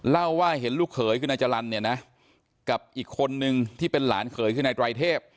เล่าว่าเห็นลูกเขยคือนายจรรย์เนี่ยนะกับอีกคนนึงที่เป็นหลานเขยคือนายไตรเทพ